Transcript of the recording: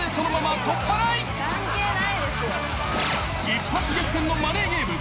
［一発逆転のマネーゲーム］